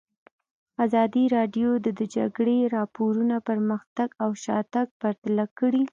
ازادي راډیو د د جګړې راپورونه پرمختګ او شاتګ پرتله کړی.